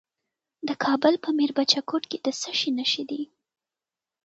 د کابل په میربچه کوټ کې د څه شي نښې دي؟